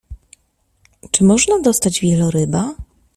Czy można dostać wieloryba?